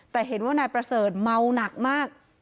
แต่เห็นว่านายประเสริฐเมาหนักมาก